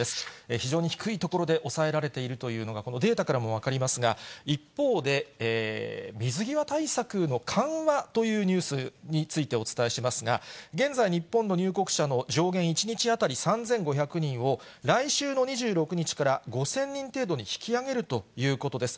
非常に低いところで抑えられているというのが、このデータからも分かりますが、一方で、水際対策の緩和というニュースについてお伝えしますが、現在、日本の入国者の上限、１日当たり３５００人を、来週の２６日から５０００人程度に引き上げるということです。